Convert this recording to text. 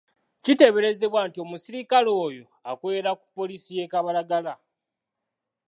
Kiteeberezebwa nti omusirikale oyo akolera ku poliisi y'e Kabalagala.